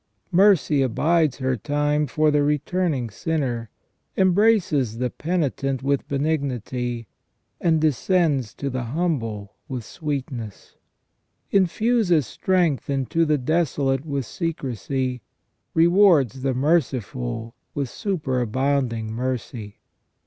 Mercy abides her time for the returning sinner, embraces the penitent with benignity, and descends to the humble with sweetness; infuses strength into the desolate with secrecy; rewards the merciful with superabounding mercy.